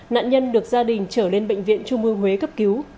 nạn nhân được gia đình trở lên bệnh viện trung ương huế cấp cứu